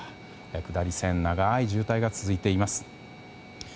下り線長い渋滞が続いています。